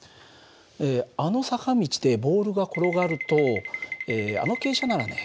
あの坂道でボールが転がるとあの傾斜ならね